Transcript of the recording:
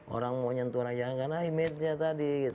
orang mau nyentuh anak jalanan karena imitnya tadi